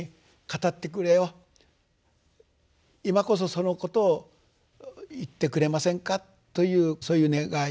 「今こそそのことを言ってくれませんか」というそういう願い祈り